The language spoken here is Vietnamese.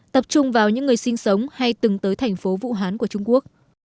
tập trung vào những người sinh sống hay từng tới thành phố vũ hán của trung quốc